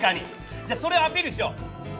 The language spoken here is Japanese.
じゃあそれをアピールしよう！